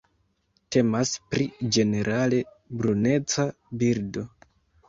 Temas pri ĝenerale bruneca birdo.